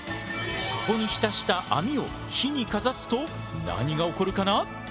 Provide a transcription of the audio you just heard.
そこに浸した網を火にかざすと何が起こるかな？